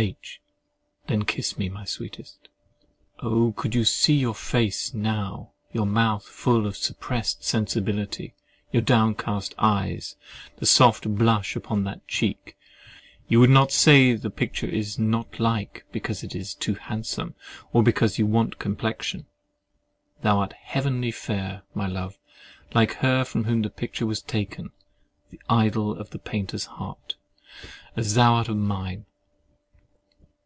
H. Then kiss me, my sweetest. Oh! could you see your face now—your mouth full of suppressed sensibility, your downcast eyes, the soft blush upon that cheek, you would not say the picture is not like because it is too handsome, or because you want complexion. Thou art heavenly fair, my love—like her from whom the picture was taken—the idol of the painter's heart, as thou art of mine!